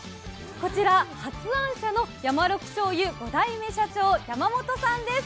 こちら、発案者のヤマロク醤油５代目社長、山本さんです。